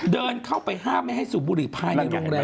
เดินเข้าไปห้ามไม่ให้สูบบุหรี่ภายในโรงแรม